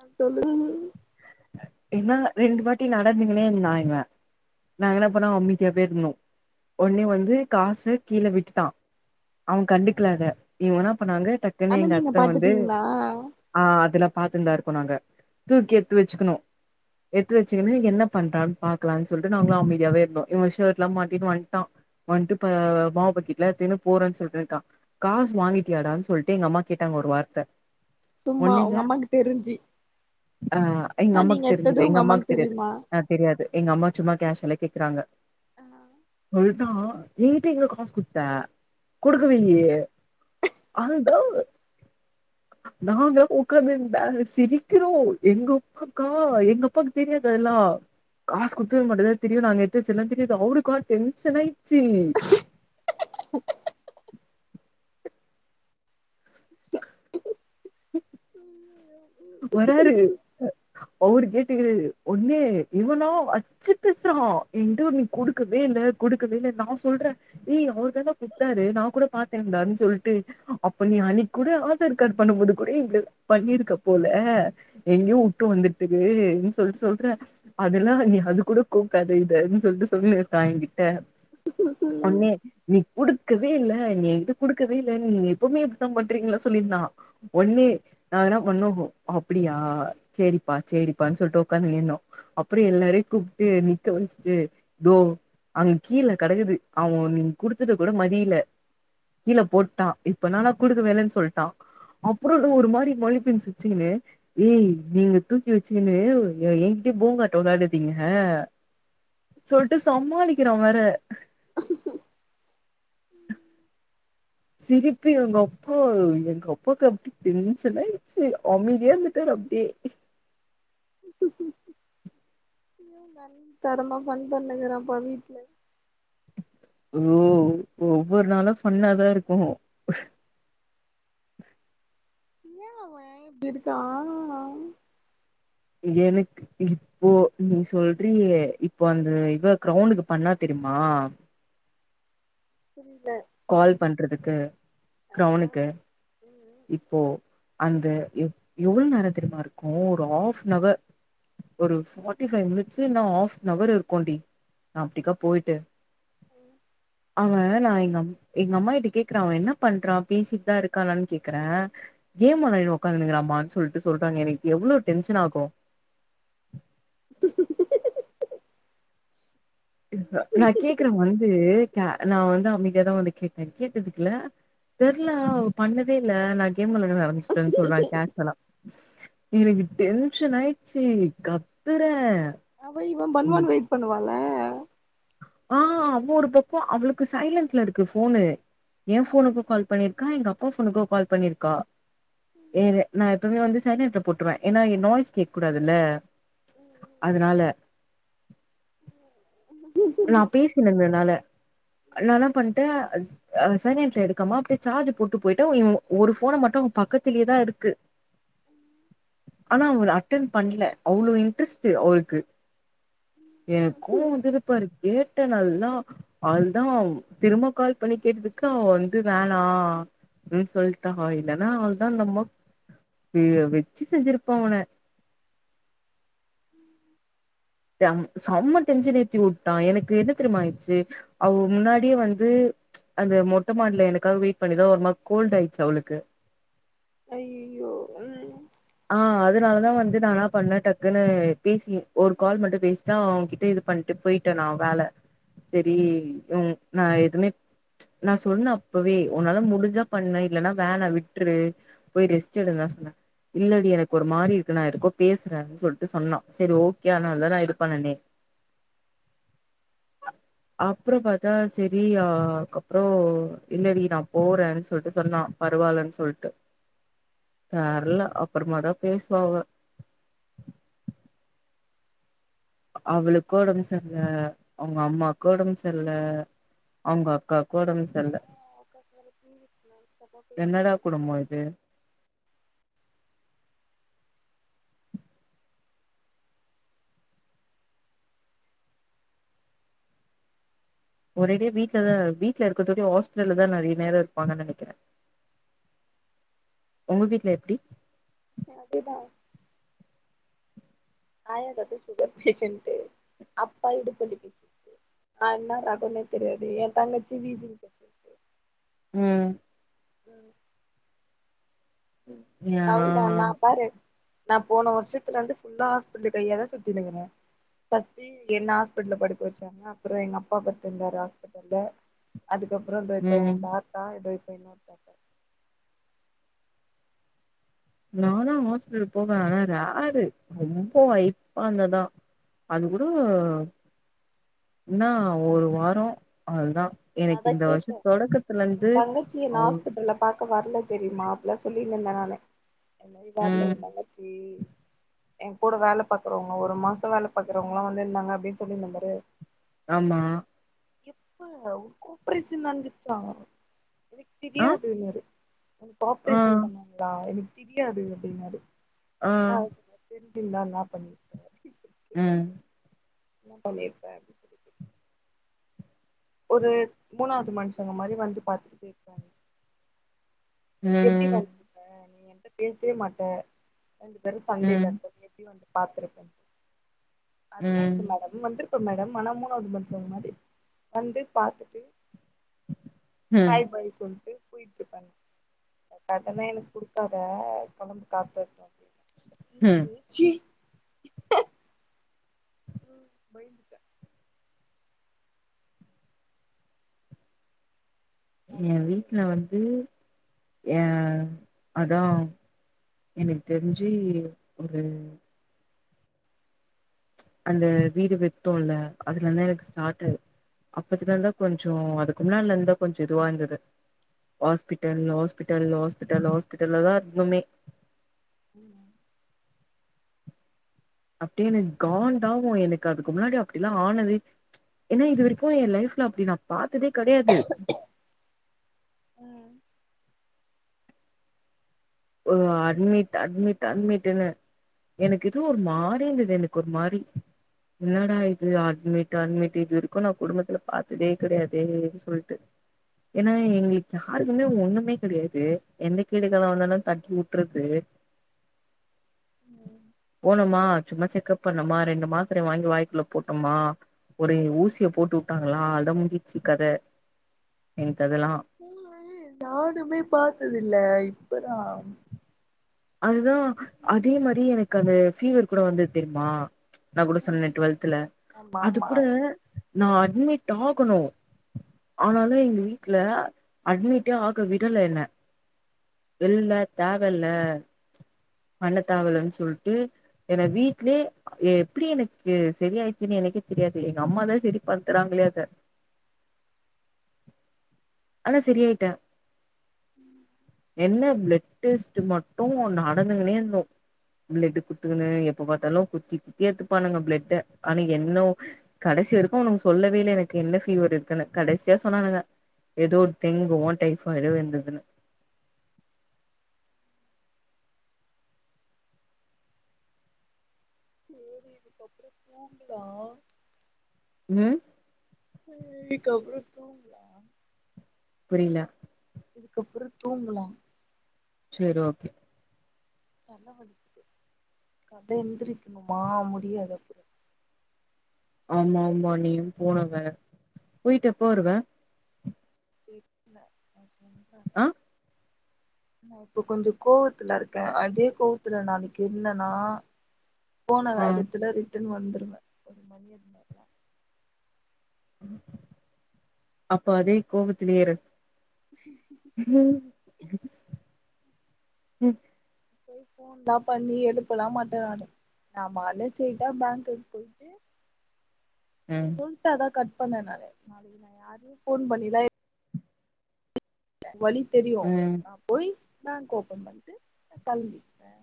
அ சொல்லுங்க மேம் இல்ல ரெண்டுவாட்டி நடந்துக்னே இருந்தா இவ நாங்க என்ன பண்ணோ அமைதியாவே இருந்தோ ஒடனே வந்து காசு கீழே விட்டுட்டா அவ கண்டுக்குல அத இவன என்ன பண்ணாங்க டக்குன்னு ஆனா எங்க நீங்க அத்த வந்து பாத்துட்டீங்களா ஆ அதுல்லா பாத்ருந்தார் போனாங்க தூக்கி எத்து வெச்சுக்குணு எத்து வச்சுகுணு என்ன பண்றான்னு பாக் லான் சொல்ட்டு நாங்களு அமைதியாவே இருந்தோ இவ ஷர்ட்லா மாட்டின்னு வந்ட்டா வந்ட்டு ப மாவு பக்கிட்லா எத்துனு போறேன் சொல்ட்டுருக்கா காசு வாங்கிட்டியாடான் சொல்ட்டு எங்க அம்மா கேட்டாங்க ஒரு வார்த்த சும்மா உங்க ஒன்னில்ல அம்மாக்கு தெரிஞ்ஜி ஆ எங்க அம்மாக்கு தெரிஞ்சுல எங்க அம்மாக்கு தெரியாது தெரியுமா ஆ தெரியாது எங்க அம்மா சும்மா கேஷ்யுலா கேக்குறாங்க ஆ அவ்ளதா எங்கிட்ட எங்க காசு குத்தே கொடுக்கவே இல்லியே அதுதா நா தா உக்காந்து இருந்தே சிரி க்கிறோ எங்க அப்பாக்கா எங்க அப்பாக்கு தெரியாது எல்லா காசு குடுத்தது மட்டு தா தெரியு நாங்க எத்து வெச்சதுலா தெரியாது அவருக்கா டென்ஷன் ஆயிட்ச்சு உஹ வராரு அவரு ஜேட்டுக்கு நின்னு ஒன்னு இவனா அச்சு பேச்றா எங்கிட்ட நீ குடுக்கவே இல்ல குடுக்கவே இல்ல நா சொல்றே ஏ அவர் தாடா குட்த்தாரு நா கூட பாத்தேடான்னு சொல்ட்டு அப்ப நீ அணைக்கு கூட ஆதார் கார்டு பண்ணும் போது கூட இப்டிதா பண்ணியிருக்க போல எங்கயு வுட்டு வந்துட்டுன்னு சொல்ட்டு சொல்றே அதெல்லா நீ அது கூட கூப்டாத இதன்னு சொல்ட்டு சொல்லினுருக்கா என்கிட்ட ஒன்னே நீ குடுக்கவே இல்ல நீ எங்கிட்ட குடுக்கவே இல்ல நீங்க எப்பவுமே இப்டித்தா பண்றீங்களா சொல்லிருந்தா ஒன்னே நா என்ன ஒண்ணு அப்டியா செரிப்பா செரிப்பானு சொல்ட்டுஒக்காந்துகினோம் அப்றம் எல்லாரையு வந்து நிக்க வச்சுட்டு தோ அங்க கீழ கெடக்குது அவன் நீங்க குடுத்தத கூட மதியில கீழ போட்டா இப்ப என்னானா குடுக்க வே இல்லன்னு சொல்லிட்டா அப்றம் ஒரு மாரி மழு பி சிச்சுகுன்னு ஏய் நீங்க தூக்கி வச்சீகுன்னு என்கிட்டயே போங்காட்டோ வெளாடாதிங்க சொல்ட்டு சமாளிக்கிறா வேற சிரிப்பு எங்க அப்பா எங்க அப்பாவுக்கு அப்டி டென்சனாயுருச்சு அமைதியாரு ட்டாரு அப்டியே தரமா பன்ட்டுகிறப்பா வீட்ல ஓ ஒவ்வொரு நாளு ஃபண்ணா தா இருக்கு ஏ அவே இப்டிருக்கா எனக்கு இப்போ நீ சொல்றியே இப்போ அந்த இவ கிரௌனுக்கு பண்ணா தெரிமா புரில கால் பண்றதுக்கு ஆ கிரௌனுக்கு ம் இப்போ அந்த எவ்ளோ நேரோ தெரிமா இருக்கு ஒரு ஹாஃப் நவர் ஒரு ஃபார்ட்டி ஃபைவ் மினிட்ஸு இல்லன்னா ஹாஃப் நவர் இருக்குடி நா அப்டிக்கா போய்ட்டு ம் அவ நா எங்க எங்க அம்மாகிட்ட கேக்குற அவ என்ன பண்றா பேசிட்டுதா இருக்கானான்னு கேக்குற கேம் வெளயாடினு உக்காந்துன்கிறாம்மா சொல்டு சொல்றங்க எனக்கு எவ்ளோ டென்சனாகு நா கேக்குற வந்து நா வந்து அவனு தா வந்து கேட்டேன் கேட்டதுக்குல தெரில அவ பண்ணவே இல்ல நா கேம் வெளாட ஆரம்பிச்சுட்டேன்னு சொல்றா கேஷுவலா எனக்கு டென்சனாயிடுச்சு கத்துறே அவ இவ பன்னுவான்னு வெயிட் பண்ணுவான்ல ஆ அவ ஒரு பக்கோ அவளுக்கு சைலன்ட்ல இருக்கு போனு என் ம் போனுக்கு கால் பண்ணிரு கா எங்க அப்பா ஃபோனுக்கு கால் பண்ணிருக்கா ஏ நா எப்பவுமே வந்து சைலண்டுல போட்ருவ ஏன்னா நாய்ஸ் கேக்க கூடாதுல்ல அதனால நா பேசின்னு இருந்தனால நா என்னா பண்ணிட்டே அ சைலண்டுல எடுக்காம அப்டியே சார்ஜ் போட்டு போயிட்டு இவ ஒரு போனை மட்டும் பக்கத்திலயே தா இருக்கு ஆனா அவர் அட்டன் பண்ல அவ்ளவு இன்ட்ரெஸ்ட் அவருக்கு எனக்கு ம் ம் கோவம் வந்தது பாரு கேட்டே நல்லா அதுதா திரும்ப கால் பண்ணி கேட்டதுக்கு தா அவ வந்து வேணா அப்டினு சொல்லிட்டா இல்லன்னா அவள்தா அந்த அம்மா வெச்சு செஞ்சிருப்பா உன்ன செம்ம டென்சன் ஏத்தி விட்டான் எனக்கு என்ன தெரியுமா ஆயிடுச்சு அவ முன்னாடியே வந்து அந்த மொட்டை மாடில எனக்காக வெயிட் பண்ணிதா ஒரு மாற் கோல்ட் ஆயிச்சு அவளுக்கு ஐய்யய்யோ ம் ஆ அதுனால தான் வந்து நா என்னா பண்ணேன் டக்குன்னு பேசின் ஒரு கால் மட்டும் பேசி தா அவங்ககிட்ட இது பண்ட்டு போயிட்டேன் நான் வேலை செரி உ நா எதுமே நா சொன்னே அப்பவே உன்னால முடிஞ்சா பண்ணு இல்லன்னா வேணா விட்ரு போய் ரெஸ்ட் எடுங்கனு சொன்னே இல்லடி எனக்கு ஒரு மாறி இருக்கு நா எதுக்கோ பேசுறேன்னு சொல்ட்டு சொன்னா சரி ஓகே அதுனால தா நா இது பண்ணுனே அ அப்றோம் பாத்தா செரி அ அதுக்கப்றோ இல்லடி நா போறேன்னு சொல்ட்டு சொன்னா பரவால்லன்னு சொல்ட்டு தெர்ல அப்பறமா தா பேசுவா அவ அவளுக்கு ஒடம்பு செர்ல அவுங்க அம்மாக்கு ஒடம்பு செர்ல அவுங்க அக்காக்கு ஒடம்பு செ அ அவ அக்காக்கு வேற பீரியட்ஸ் மேம் சப்போட்டே இல்ல அதுக்கு சும்மாய்த்தே ஒரே அடியா வீட்ல தா வீட்ல இருக்குறது தோடியு ஹாஸ்பிட்டல்ல தா நெறைய நேரோ இருப்பாங்கன்னு நெனைக்குறே உங்க வீட்ல எப்டி நா அதேதா ஆயாவந்து சுகர் பேசன்ட்டு அப்பா இடுப்புவலி பேசன்ட்டு நா என்னா ரகோன்னே தெரியாது ஏ தங்கச்சி வீசிங் பேசன்ட் ம் ம் யா அவ்ளோதா நா பாரு நா போன வருஷத்துல இருந்து ஃபுல்லா ஹாஸ்பிட்டல் கையாதா சுத்தின்னுயிருக்கே ஃபர்ஸ்ட்டு என்ன ஹாஸ்பிட்டல்ல படுக்க வச்சாங்க அப்பறோ எங்க அப்பா படுத்துருந்தாரு ஹாஸ்பிட்டல்ல அதுக்கப்பறோ இதோ இப்ப ஏ ம் தாத்தா இதோ இப்ப இன்னொரு தாத்தா நானு ஹாஸ்பிட்டல் போவே ஆனா ரேரு ரொம்ப வய்ப்பாயிருந்தா தா அது கூட இன்னா ஒரு வாரோ அவ்ளதா நா எனக்கு அதா இந்த கேட்டே வருஷ தொடக்கத்துல உன் இருந்து தங்கச்சிய நா அவ ஹாஸ்பிட்டல்ல பாக்க வர்ல தெரியுமா அப்புல்லா சொல்லின்னு இருந்த நானு எல்லய் வர்ல ஓ ம் தங்கச்சி ஏ கூட வேல பாக்குறவங்க ஒரு மாசோ வேல பாக்குறவங்கல்லா வந்து இருந்தாங்க அப்டின் சொல்லி இருந்தே பாரு ஆமா எப்ப உ கோப்ரேசன் நடந்துச்சா எனக்கு ஆ தெரியாதுன்னாரு அதுக்கு ஆ ஆப்ரேஷன் பண்ணாங் ளா எனக்கு தெரியாது அப்டின்னாரு ஆ நா அவசியோ தெரிஞ்சுருந்தா என்னாப் பண்ணுவீங்க ஏதாச்சு பேசுவாரு ம் [unintelligible] ஒரு மூணாவது மனுஷங்க மாறி வந்து பாத்துட்டு போயிருக்காரு எப்டி ம் வந்துருப்ப நீ என்ட்ட பேசவே மாட்ட ரெண்டு பேரும் சண்டைல ம் இருக்கோமே ப்படியு வந்து பாத்துருப்பேன்னு சொன் அதெல்லா ம் இல்ல மேடம் வந்துருப்பே மேடம் ஆனா மூனாவது மனுசங்க மாறி வந்து பாத்துட்டு ம் ஹாய் ஃபாய் சொல்ட்டு போயிட்டு பண்ணு அதெல்லா எனக்கு குடுக்காத கெளம்பு காத்து வர்ட்டும் அப்டின் என்ன ம் சொல்லுது சி ம் பய்ந்துட்டே அதா ஏ சொல்றே வீட்ல வந்து ஏ அதா எனக்கு தெரிஞ்சி ஒரு அந்த வீடு வித்தோல்ல அதுல இருந்து எனக்கு ஸ்டார்ட் ஆயி அப்பத்துல இருந்துதா கொஞ்சோ அதுக்கு முன்னாடியில இருந்தா கொஞ்ச இதுவா இருந்தது ஹாஸ்பிட்டல் ஹாஸ்பிட்டல் ஹாஸ்பிட்டல் ஹாஸ்பிட்டல்லதா இருந்தோமே ம் அப்டியே எனக் காண்டாவும் எனக்கு அதுக்கு முன்னாடி அப்டிலா ஆனது ஏனா இது வரைக்கு என் லைஃப்ல அப்டி நா பாத்ததே கெடையாது ஒரு அட்மிட் அட்மிட் அட்மிட்ன்னு எனக்கு எதோ ஒரு மாரி இருந்தது எனக்கு ஒரு மாரி என்னடா இது அட்மிட் அட்மிட் இது வரைக்கு நான் குடும்பத்துல பாத்ததே கடையாதே சொல்ட்டு ஏன்னா ம் எங்களுக்கு யாருக்குமே ஒண்ணுமே கிடையாது எந்த கேடு காலோ வந்தாலு தட்டி வுட்டுறது போனோமா சும்மா செக்கப் பண்ணோமா ரெண்டு மாத்திரய வாங்கி வாய்க்குள்ள போட்டோமா ஒரே ஊசிய போட்டு வுட்டாங்களா அடா முடிஞ்ச்சி கத எனக் அதெல்லா நானுமே பாத்ததில்ல இப்பதா அதுதா அதே மாரி எனக்கு அந்த ஃபீவர் கூட வந்தது தெரிமா நா கூட சொன்னேனே ம் டுவெல்துல ஆமா அது ஆமா கூட நா அட்மிட் ஆகணு ஆனாலு எங்க வீட்ல அட்மிட்டே ஆக விடல என்ன இல்ல தேவல்ல பண்ண தேவல்லன்னு சொல்ட்டு என்ன வீட்லே எப்டி எனக்கு செரி ஆய்ச்சுன்னு எனக்கே தெரியாது எங்க அம்மாதா செரி படுத்துறாங்களே அத ஆனா செரியாயிட்டே என்ன பிளட் டெஸ்ட் மட்டு நடந்துங்குனே இருந்தோ பிளட் குத்துக்குணு எப்ப பாத்தாலு குத்தி குத்தி எத்துப்பானுங்க பிளட்ட ஆனா என்னோ கடைசி வரைக்கோ ஒன்னு சொல்லவே இல்ல எனக்கு என்ன ஃபீவர் இருக்குன்னு கடைசியா சொன்னானுங்க ஏதோ டெங்குவோ டைஃபாய்டோ இந்துதுன்னு சேரி இதுக்கப்பற தூங்கலா ம் இதுக்கப்பறோ தூங்கலா புரில இதுக்கப்பறோ தூங்கல சேரி ஓகே தல வலிக்குது கால்ல எந்திரிக்கணுமா முடியாது அப்பறோ ஆமா ஆமா நீயு போனவ போயிட்டு எப்ப வருவே தெரில நான் சொல்றே ஆ நா இப்ப கொஞ்ச கோவத்துல இருக்கே அதே கோவத்துல நாளைக்கு இருந்தேன்னா போன ஆ வேகத்துல ரிட்டன் வந்துருவே ஒரு மய்யட்னே அப்ப அதே கோவத்திலே இரு [unintelligible] ம் போய் போன்லா பண்ணி எழுப்பலா மாட்டே நானு ஆமா நானே ஸ்ட்ரைட்டா பேங்குக்கு போயிட்டு இப்ப சொல்ட்டு அதா கட் பண்ணே நானு நாளைக்கு நா யாரையு போன் பண்ணிலா வழி தெரியு ம் நா போய் பேங்க் ஓப்பன் பண்ட்டு நா கெளம்பிடுவே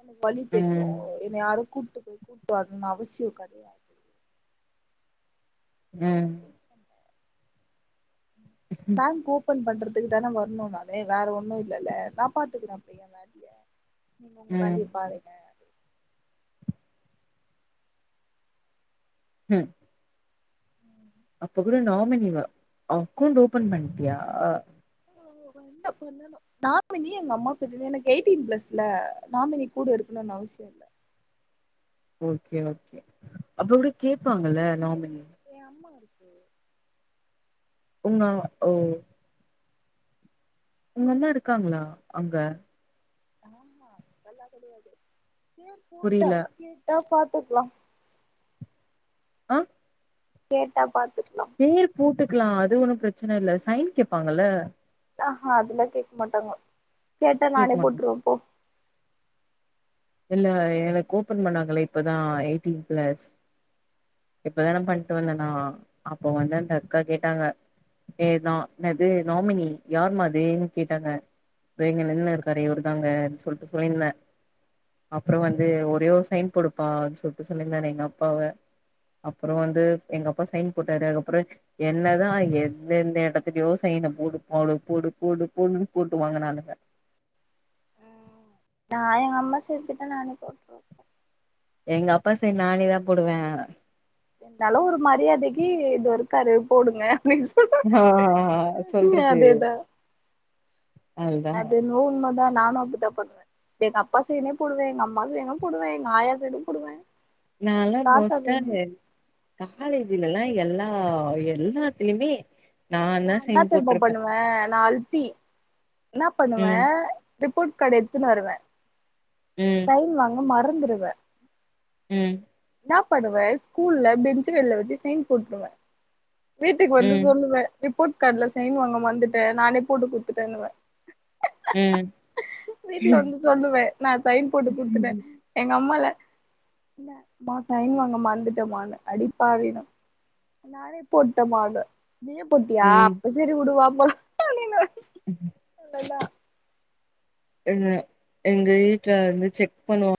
எனக்கு வழி தெரியு ம் என்ன யாரு கூட்டு போய் கூட்டு வரனுன்னு அவசியோ கெடையாது ம் பேங்க் ஓபன் பண்றது அத்துக்கு தானே வரணு நானு வேற ஒண்ணு இல்லலே நா பாத்துக்கிறே அப்ப எ வேலய நீங்க ஒங்க ம் வேலைய பாரு ம் ம் அப்ப கூட நாமினி இவ அக்கௌண்ட் ஓப்பன் பண்ட்டியா ஒன்னா போனம் [unintelligible] எங்க அம்மாவா கூட்டிட்டு எனக்கு எயிட்டீன் பிளஸ்ல நாமினி கூட இருக்கணுனு அவசிய இல்ல ஓகே ஓகே அப்ப கூட கேப்பாங்கல்ல நாமினி எ அம்மா இருக்காங்க உங்கா ஓ உங்க அம்மா இருக்காங்ளா அங்க ஆமா நல்லா கெடையாது இங்கயு கூட்டோ புரியல கேட்டா பாத்துக்லா அ கேட்டா பாத்துக்லா எம் பேரு போட்டுக்கலா அது ஒன்னு பிரச்சன இல்ல சைன் கேப்பாங்கல்ல ஆஹா அதெல்லா கேக்க மாட்டாங்க கேட்டா கேக்க நானே மாட்டாங்க போட்ருவே போ இல்ல எனக்கு ஓப்பன் பண்ணாங்களே இப்பதா எயிட்டீன் பிளஸ் இப்பதானே பண்ட்டு வந்தே நா அப்ப வந்து அந்த அக்கா கேட்டாங்க ஏனா இன்னது நாமினி யார்மா அதுன்னு கேட்டாங்க வேங்க வெள்ல இருக்காரு இவரு தாங்கனு சொல்ட்டு சொல்லிருந்தே அப்றோ வந்து ஒரே ஒரு சைன் போடுப்பா அப்டின் சொல்ட்டு சொல்லிருந்தாரு எங்க அப்பாவ அப்பற வந்து எங்க அப்பா சைன் போட்டாரு அதுக்கப்பற என்னதா எந்தெந்த எடத்துலயோ சைன போடு போடு போடு போடு போடுன்னு போட்டு வாங்குனானுங்க நா எங்க அம்மா சைன் கேட்டா நானே போட்ருவே எங்க அப்பா சைன் நானே தா போடுவே இருந்தாலு ஒரு மரியாதைக்கு இதோ இருக்காரு போடுங்க அப்டின் சொ ஆ அ அ சொல்றது அதுதா அது என்னவோ உண்மதா நானு அப்டிதா பண்ணுவே எங்க அப்பா சைனு போடுவே எங்க அம்மா சைனு போடுவே எங்க ஆயா சைனு போடுவே எங்க நாலா தாத்தா மோஸ்டா சைடு எங்க காலேஜுலலா எல்லா எல்லாத்துலயுமே நாந்தா சைன் போட்ருப்பே ஆ நா அள்ட்டி என்னா பண்ணுவே ம் ரிப்போர்ட் கார்டு எட்த்துன்னு வருவே ம் சைன் வாங்க மறந்துருவே ம் இன்னா பண்ணுவே ஸ்கூல்ல பெஞ்சு வெள்ல வச்சு சைன் போட்ருவே வீட்டுக்கு வந்து ம் சொல்லுவே ரிப்போர்ட் கார்டுல சைன் வாங்க மறந்துட்டே நானே போட்டு குட்த்துட்டேன்னுவே ம் வீட்டு்ல வந்து சொல்லுவே நா சைன் போட்டு குட்த்துட்டே ம் எங்க அம்மால அம்மா சைன் வாங்க மறந்துட்டமானே அடிப்பாவினு நானே போட்ட மா அத நீயே போட்டியா ம் அப்ப செரி விடு வா போலா அப்டின்வாங் உண்மைதா எங்க எங்க வீட்ல வந்து செக் பண்ணுவா